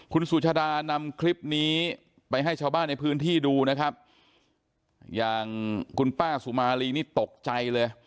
คุณสุชาดานำคลิปนี้ไปให้ชาวบ้านในพื้นที่ดูนะครับอย่างคุณป้าสุมารีนี่ตกใจเลย